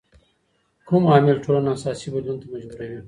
کوم عامل ټولنه اساسي بدلون ته مجبوروي؟